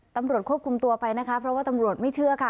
ตำรวจควบคุมตัวไปนะคะเพราะว่าตำรวจไม่เชื่อค่ะ